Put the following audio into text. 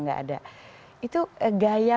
gak ada itu gaya